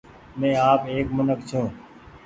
مين آپ ايڪ منک ڇون۔